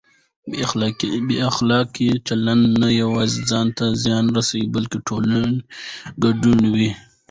بې اخلاقه چلند نه یوازې ځان ته زیان رسوي بلکه ټولنه ګډوډوي.